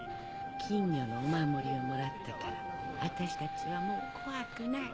金魚のお守りをもらったから私たちはもう怖くない。